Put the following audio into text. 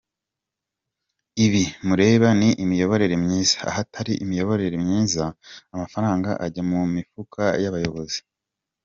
Ibi mureba ni imiyoborere myiza, ahatari imiyoborere myiza, amafaranga ajya mu mifuka y’abayobozi.